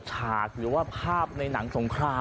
โอ้โหพังเรียบเป็นหน้ากล่องเลยนะครับ